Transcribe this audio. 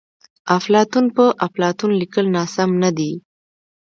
افلاطون په اپلاتون لیکل ناسم ندي.